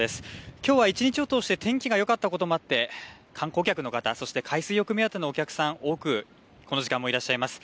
きょう一日を通して天気がよかったこともあって観光客の方、そして海水浴目当てのお客さん、多くこの時間、いらっしゃいます。